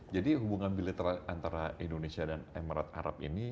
jadi hubungan bilateral antara indonesia dan emirat arab ini